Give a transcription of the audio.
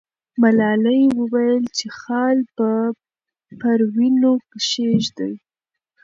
ملالۍ وویل چې خال به پر وینو کښېږدي.